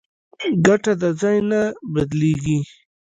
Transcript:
کټه د ځای نه بدلېږي.